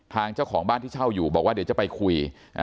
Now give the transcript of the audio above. ทางเจ้าของบ้านที่เช่าอยู่บอกว่าเดี๋ยวจะไปคุย